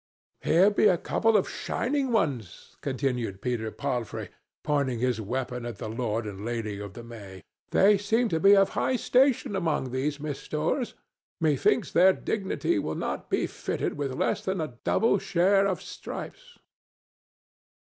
"Here be a couple of shining ones," continued Peter Palfrey, pointing his weapon at the Lord and Lady of the May. "They seem to be of high station among these misdoers. Methinks their dignity will not be fitted with less than a double share of stripes."